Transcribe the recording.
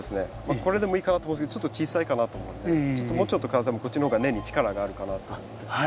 これでもいいかなと思うんですけどちょっと小さいかなと思うんでちょっともうちょっとこっちの方が根に力があるかなと思って。